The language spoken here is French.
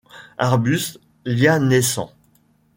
Arbuste lianescent.